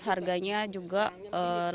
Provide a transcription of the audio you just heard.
harganya juga lebih awal